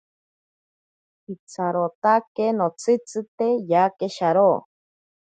Itsarotake notsitzite yake sharo.